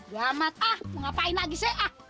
kamat ah mengapain lagi sek